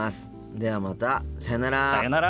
ではまたさようなら。